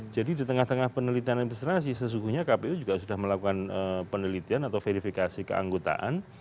jadi di tengah tengah penelitian administrasi sesungguhnya kpu juga sudah melakukan penelitian atau verifikasi keanggotaan